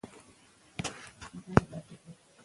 آیا د افغانستان خلک له صفویانو څخه راضي وو؟